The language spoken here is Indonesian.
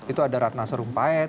itu ada ratna serumpahit